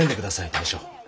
大将。